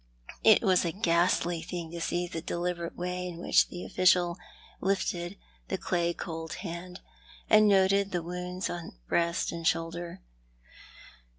It was a ghastly thing to see the deliberate way in wliich the official lifted the clay cold hand, and noted the wounds on breast and shoulder.